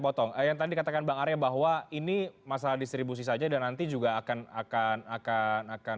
potong yang tadi katakan bang arya bahwa ini masalah distribusi saja dan nanti juga akan akan akan